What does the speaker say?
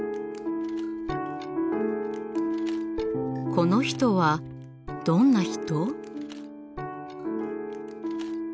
この人はどんな人？